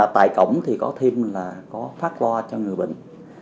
tại cổng thì có thêm là có phát lo cho người bệnh